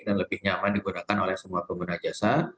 dan lebih nyaman digunakan oleh semua pengguna jasa